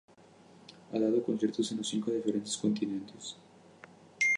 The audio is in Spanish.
Ha dado conciertos en los cinco continentes.